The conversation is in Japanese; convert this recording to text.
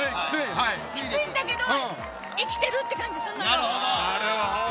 きついんだけど生きてるって感じがするのよ。